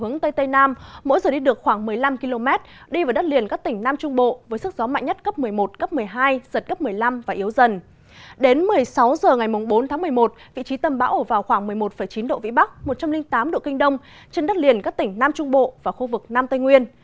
đến một mươi sáu h ngày bốn tháng một mươi một vị trí tâm bão ở vào khoảng một mươi một chín độ vĩ bắc một trăm linh tám độ kinh đông trên đất liền các tỉnh nam trung bộ và khu vực nam tây nguyên